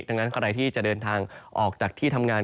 ดังนั้นใครที่จะเดินทางออกจากที่ทำงาน